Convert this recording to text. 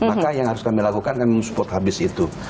maka yang harus kami lakukan kami support habis itu